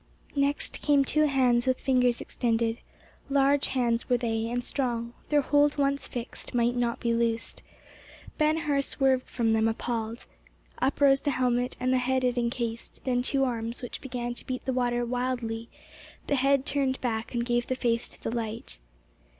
Next came two hands with fingers extended—large hands were they, and strong—their hold once fixed, might not be loosed. Ben Hur swerved from them appalled. Up rose the helmet and the head it encased—then two arms, which began to beat the water wildly—the head turned back, and gave the face to the light.